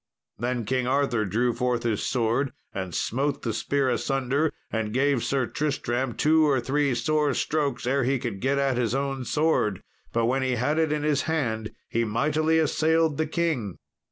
Then King Arthur drew forth his sword and smote the spear asunder, and gave Sir Tristram two or three sore strokes ere he could get at his own sword. But when he had it in his hand he mightily assailed the king.